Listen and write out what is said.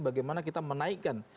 bagaimana kita menaikkan